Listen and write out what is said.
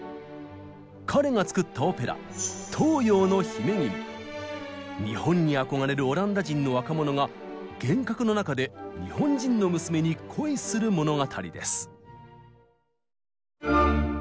彼が作った日本に憧れるオランダ人の若者が幻覚の中で日本人の娘に恋する物語です。